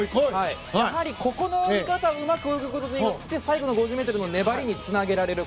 やはり、ここをうまく泳ぐことによって最後の５０ｍの粘りにつなげられる。